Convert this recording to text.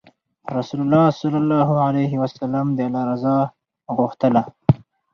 رسول الله ﷺ الله رضا غوښتله.